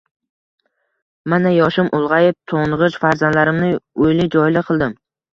Mana, yoshim ulg'ayib, to'ng'ich farzandlarimni uyli-joyli qildim